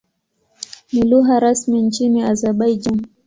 Ni lugha rasmi nchini Azerbaijan.